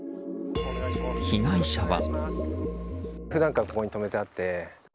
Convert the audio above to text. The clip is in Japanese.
被害者は。